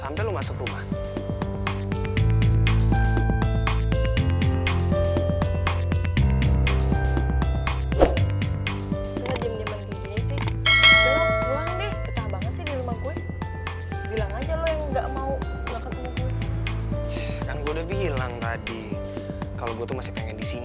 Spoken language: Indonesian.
nah yaudah kalo gitu yuk